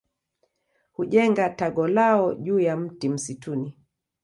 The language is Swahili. Hujenga tago lao juu ya mti msituni.